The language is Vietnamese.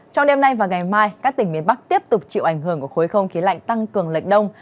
trong đêm nay và ngày mai các tỉnh miền bắc tiếp tục chịu ảnh hưởng của khối không khí lạnh tăng cường lệch đông